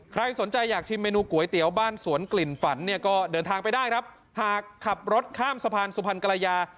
ใครสนใจอยากชิมเมนูก๋วยเตี๋ยวบ้านสวนกลิ่นฝันเนี่ยก็เดินทางไปได้ครับหากขับรถข้ามสะพานสุพรรณกรยา